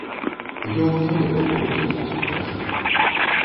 Ён не ведаў, колькі часу прайшло.